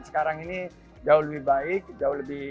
sekarang ini jauh lebih baik jauh lebih